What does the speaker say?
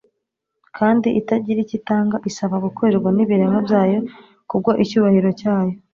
kandi itagira icyo itanga, isaba gukorerwa n'ibiremwa byayo kubwo icyubahiro cyayo,